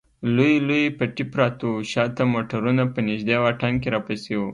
لوی لوی پټي پراته و، شا ته موټرونه په نږدې واټن کې راپسې و.